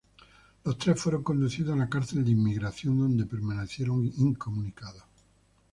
Los tres fueron conducidos a la Cárcel de Inmigración, donde permanecieron incomunicados.